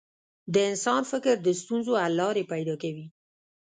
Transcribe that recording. د انسان فکر د ستونزو حل لارې پیدا کوي.